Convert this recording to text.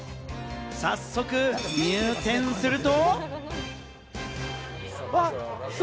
早速、入店すると。